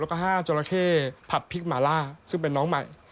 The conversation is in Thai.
แล้วก็๕จราเข้ผัดพริกหมาล่าซึ่งเป็นน้องใหม่